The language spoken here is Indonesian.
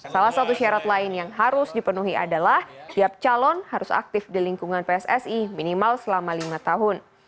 salah satu syarat lain yang harus dipenuhi adalah tiap calon harus aktif di lingkungan pssi minimal selama lima tahun